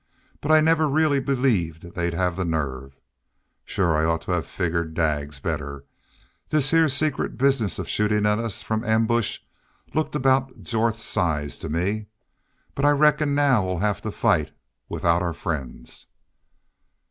"But I never really believed they'd have the nerve. Shore I ought to have figgered Daggs better. This heah secret bizness an' shootin' at us from ambush looked aboot Jorth's size to me. But I reckon now we'll have to fight without our friends."